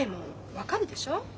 分かるでしょ？